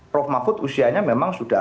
prof mahfud usianya memang sudah